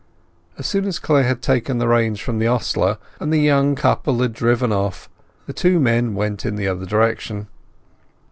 As soon as Clare had taken the reins from the ostler, and the young couple had driven off, the two men went in the other direction.